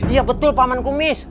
iya betul pak man kumis